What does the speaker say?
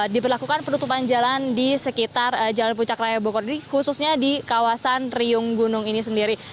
diperlakukan penutupan jalan di sekitar jalan puncak raya bogor ini khususnya di kawasan riung gunung ini sendiri